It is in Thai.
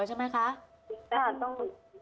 สิงคาต้อง